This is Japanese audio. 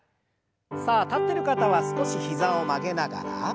さあ立ってる方は少し膝を曲げながら。